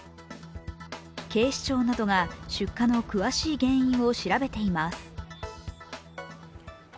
警視庁などが出火の詳しい原因を調べています。